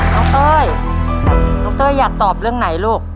เต้ยน้องเต้ยอยากตอบเรื่องไหนลูก